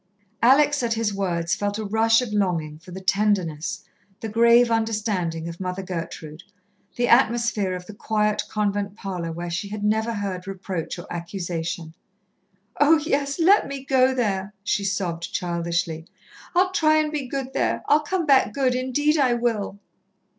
Alex, at his words, felt a rush of longing for the tenderness, the grave understanding of Mother Gertrude, the atmosphere of the quiet convent parlour where she had never heard reproach or accusation. "Oh, yes, let me go there," she sobbed childishly. "I'll try and be good there. I'll come back good, indeed I will."